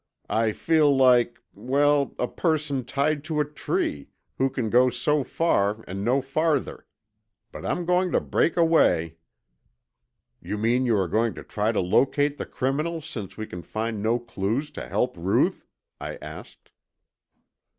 I feel like well, a person tied to a tree, who can go so far and no farther. But I'm going to break away." "You mean you are going to try to locate the criminal since we can find no clues to help Ruth?" I asked.